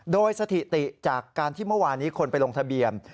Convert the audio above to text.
โดยสถิติจากการที่เมื่อวานี้คนไปลงทะเบียน